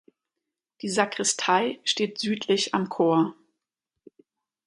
Die Sakristei steht südlich am Chor.